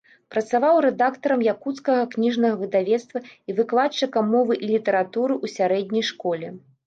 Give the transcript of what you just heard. Працаваў рэдактарам якуцкага кніжнага выдавецтва і выкладчыкам мовы і літаратуры ў сярэдняй школе.